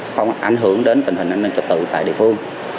không ảnh hưởng đến tình hình an ninh trật tự tại địa phương